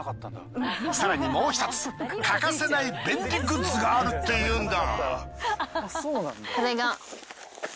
更にもう一つ欠かせない便利グッズがあるっていうんだ。